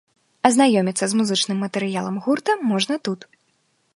Азнаёміцца з музычным матэрыялам гурта можна тут.